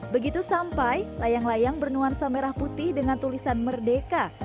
begitu sampai layang layang bernuansa merah putih dengan tulisan merdeka